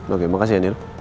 oke makasih ya daniel